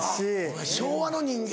あっ昭和の人間。